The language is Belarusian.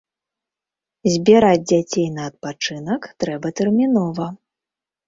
Збіраць дзяцей на адпачынак трэба тэрмінова.